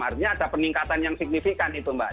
artinya ada peningkatan yang signifikan itu mbak